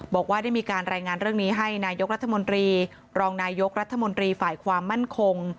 บอกว่าได้มีการรายงานเรื่องนี้ให้นายกรัฐมนตรีรองนายกรัฐมนตรีฝ่ายความมั่นคง